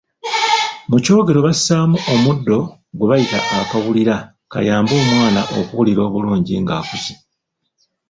Mu kyogero bassaamu omuddo gwe bayita akawulira kayambe omwana okuwulira obulungi ng’akuze.